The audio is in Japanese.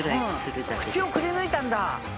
口をくりぬいたんだ。